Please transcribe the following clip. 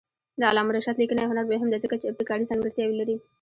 د علامه رشاد لیکنی هنر مهم دی ځکه چې ابتکاري ځانګړتیاوې لري.